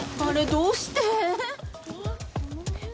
どうして？